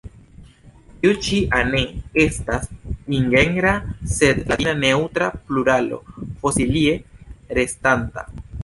Tiu ĉi a ne estas ingenra sed latina neŭtra pluralo fosilie restanta.